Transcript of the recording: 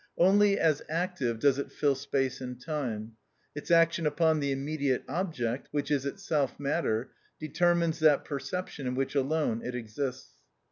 Only as active does it fill space and time; its action upon the immediate object (which is itself matter) determines that perception in which alone it exists.